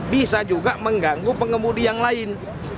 bisa mengganggu pengebudi yang lain